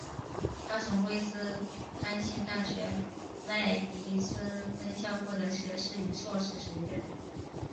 他从威斯康辛大学麦迪逊分校获得学士与硕士学位。